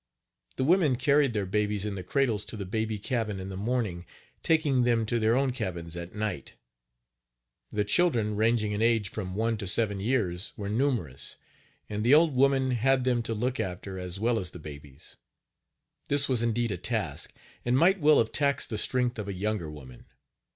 The women carried their babies in the cradles to the baby cabin in the morning, taking them to their own cabins at night. The children ranging in age from one to seven years were numerous, and the old woman had them to look after as well as the babies. This was indeed a task, and might well have taxed the strength of a younger woman.